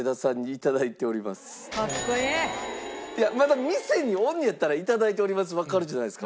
まだ店におんねんやったら「いただいております」わかるじゃないですか。